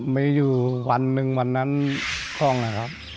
ไม่อยู่วันหนึ่งวันนั้นพ่อเหงื่อครับ